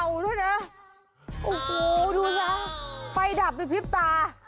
โอ้โหดูนะไฟดับไปพริบตา